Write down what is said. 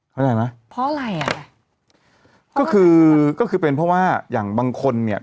เข้าใจไหมเพราะอะไรอ่ะก็คือก็คือเป็นเพราะว่าอย่างบางคนเนี่ย